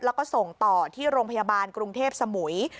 แล้วก็ส่งต่อที่โรงพยาบาลกรุงเทพสมุย